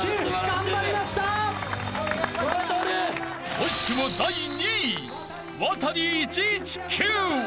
［惜しくも第２位］ワタリ！